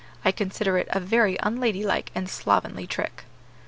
I consider it a very unladylike and slovenly trick."